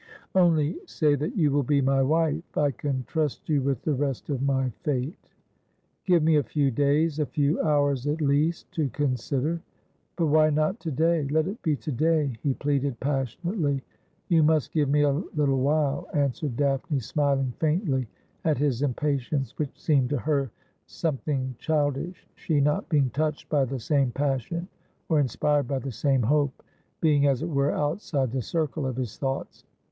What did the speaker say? ' Only say that you will be my wife. I can trust you with the rest of my fate.' ' Give me a few days — a few hours, at least — to consider.' ' But why not to day? Let it be to day,' he pleaded pas sionately. ' You must give me a little while,' answered Daphne, smiling faintly at his impatience, which seemed to her something child ish, she not being touched by the same passion, or inspired by the same hope, being, as it were, outside the circle of his thoughts.